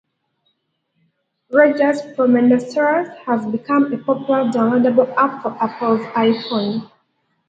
Roger's Profanisaurus has become a popular downloadable app for Apple's iPhone.